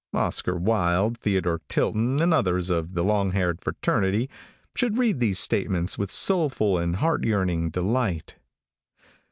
Oscar Wilde, Theodore Tilton, and others of the long haired fraternity, should read these statements with soulful and heart yearning delight.